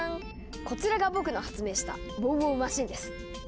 こちらが僕の発明した「ウォウウォウマシーン」です。